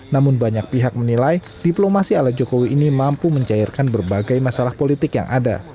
namun banyak pihak menilai diplomasi ala jokowi ini mampu mencairkan berbagai masalah politik yang ada